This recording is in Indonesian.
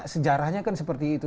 sejarahnya kan seperti itu